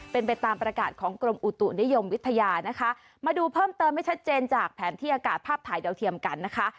เป็นไปตามประกาศของกรมอุตุนิยมวิทยานะคะมาดูเพิ่มเติมให้ชัดเจนจากแผนที่อากาศภาพถ่ายดาวเทียมกันนะคะ